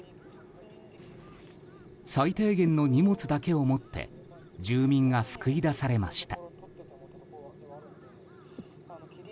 最低限の荷物だけを持って住民が救い出されました。